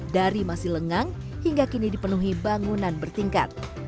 dari masih lengang hingga kini dipenuhi bangunan bertingkat